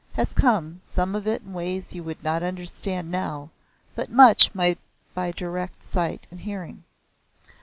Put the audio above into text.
Has come, some of it in ways you could not understand now, but much by direct sight and hearing.